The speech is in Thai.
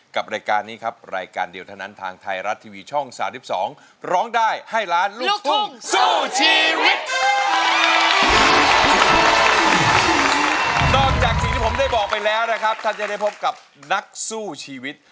กับรายการนี้ครับรายการเดียวถนนทางไทยรัฐทีวีช่อง๓๒ร้องได้ให้ล้านลูกทุ่งสู้ชีวิต